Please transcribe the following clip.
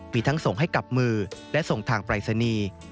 มีทั้งส่งให้กับมือและส่งทางปรายศนีย์